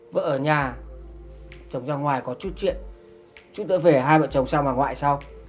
vợ ở nhà chồng ra ngoài có chút chuyện chút nữa về hai vợ chồng sang bà ngoại sau